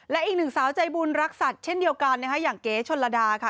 และอีกหนึ่งสาวใจบุญรักสัตว์เช่นเดียวกันนะคะอย่างเก๋ชนระดาค่ะ